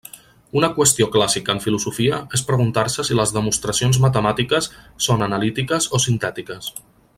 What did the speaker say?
Una qüestió clàssica en filosofia és preguntar-se si les demostracions matemàtiques són analítiques o sintètiques.